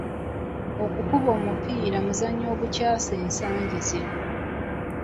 Okubaka omupiira muzannyo ogukyase ensangi zino.